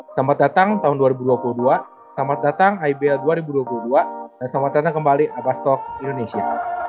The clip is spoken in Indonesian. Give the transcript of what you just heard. selamat datang tahun dua ribu dua puluh dua selamat datang ibl dua ribu dua puluh dua dan selamat datang kembali abah stok indonesia